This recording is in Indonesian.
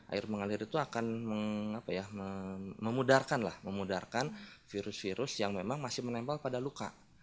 air mengalir itu akan memudarkan virus virus yang memang masih menempel pada luka